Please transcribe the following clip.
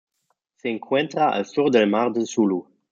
Se encuentra al sur del mar de Sulu.